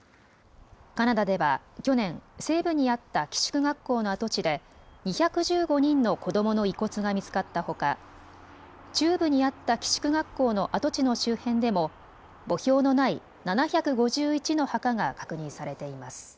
カナダでは去年、西部にあった寄宿学校の跡地で２１５人の子どもの遺骨が見つかったほか中部にあった寄宿学校の跡地の周辺でも墓標のない７５１の墓が確認されています。